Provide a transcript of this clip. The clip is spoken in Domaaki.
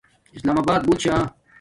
اسلام آبات بوت شا